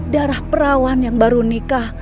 darah perawan yang baru nikah